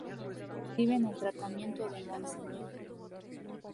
Reciben el tratamiento de Monseñor.